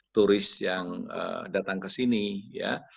tourists yang datang kesini ya